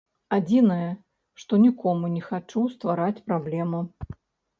Адзінае, што нікому не хачу ствараць праблему.